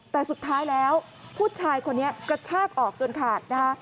แต่สุดท้ายแล้วผู้ชายคนนี้กระชากออกจนขาดนะคะ